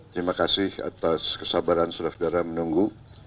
terima kasih atas kesabaran saudara saudara menunggu